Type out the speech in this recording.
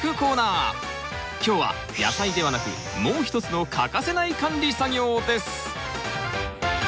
今日は野菜ではなくもう一つの欠かせない管理作業です。